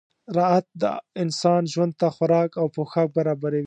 راعت د انسان ژوند ته خوراک او پوښاک برابروي.